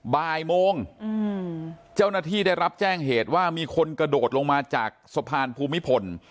บ่ายโมงเจ้าหน้าที่ได้รับแจ้งเหตุว่ามีคนกระโดดลงมาจากสะพานภูมิพล